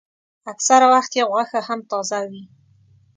اکثره وخت یې غوښه هم تازه وي.